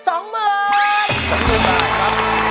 สำคัญมากครับ